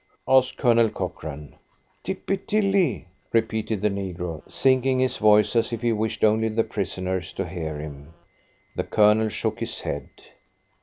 asked Colonel Cochrane. "Tippy Tilly," repeated the negro, sinking his voice as if he wished only the prisoners to hear him. The Colonel shook his head.